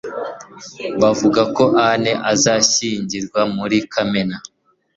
Bavuga ko Anne azashyingirwa muri Kamena